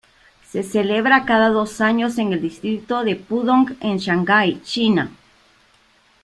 Se celebra cada dos años en el distrito de Pudong, en Shanghái, China.